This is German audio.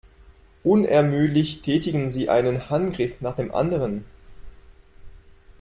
Unermüdlich tätigen sie einen Handgriff nach dem anderen.